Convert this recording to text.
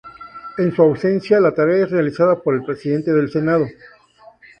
En su ausencia, la tarea es realizada por el Presidente del Senado.